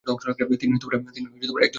তিনি এক দশককাল ছিলেন।